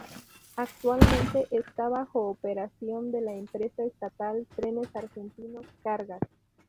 Actualmente está bajo operación de la empresa estatal Trenes Argentinos Cargas.